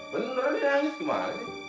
beneran ya nangis gimana